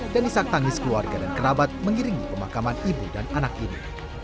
dan disaktangis keluarga dan kerabat mengiringi pemakaman ibu dan anak ini